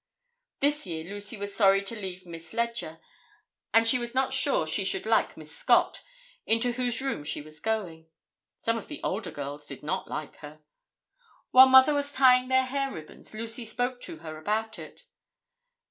This year Lucy was sorry to leave Miss Leger, and she was not sure she should like Miss Scott, into whose room she was going. Some of the older girls did not like her. While Mother was tying their hair ribbons, Lucy spoke to her about it.